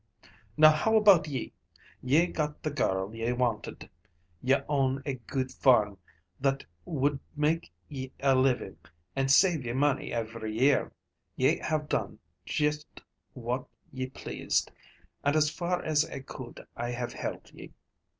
"Now how about ye? Ye got the girl ye wanted. Ye own a guid farm that would make ye a living, and save ye money every year. Ye have done juist what ye pleased, and as far as I could, I have helped ye.